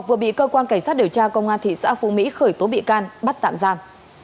vừa bị cơ quan cảnh sát điều tra công an thị xã phú mỹ khởi tố bị can bắt tạm giam